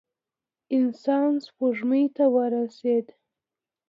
انسان سپوږمۍ ته ورسېد.